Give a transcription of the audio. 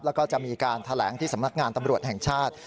แล้วก็จะมีการแถลงที่สำนักงานตำรวจแห่งชาติ